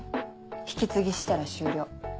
引き継ぎしたら終了。